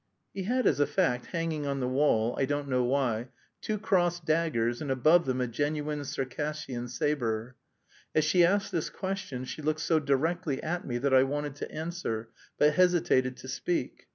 He had as a fact hanging on the wall, I don't know why, two crossed daggers and above them a genuine Circassian sabre. As she asked this question she looked so directly at me that I wanted to answer, but hesitated to speak.